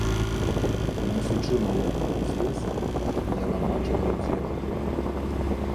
Несучы малога паўз лес, яна бачыла людзей на полі.